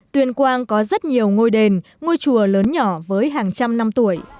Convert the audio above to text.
tuyên quang có rất nhiều ngôi đền ngôi chùa lớn nhỏ với hàng trăm năm tuổi